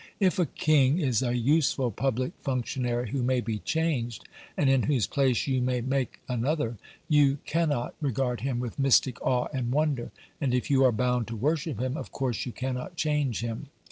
If a king is a useful public functionary who may be changed, and in whose place you may make another, you cannot regard him with mystic awe and wonder; and if you are bound to worship him, of course you cannot change him.